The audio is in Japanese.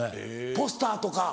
ポスターとか。